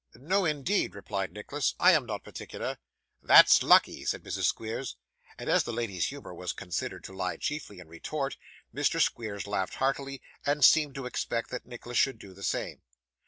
No, indeed,' replied Nicholas, 'I am not particular.' 'That's lucky,' said Mrs. Squeers. And as the lady's humour was considered to lie chiefly in retort, Mr. Squeers laughed heartily, and seemed to expect that Nicholas should do the same.